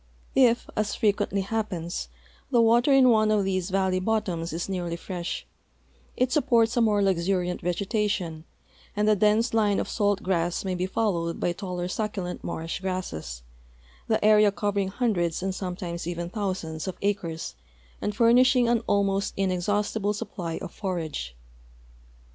If, as frequently happens, 'the water in one of these valley bottoms is nearly fresh, it supports a more luxuriant vegetation, and the dense line of salt grass may be followed by taller succulent marsh grasses, the area covering hundreds and sometimos even thou sands of acres and furnishing an almost inexhaustible sup})ly of forage.